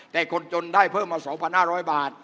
แต่คนจนได้เพิ่มมา๒๕๐๐บาท